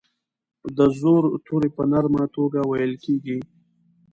د زور توری په نرمه توګه ویل کیږي.